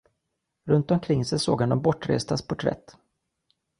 Runt omkring sig såg han de bortrestas porträtt.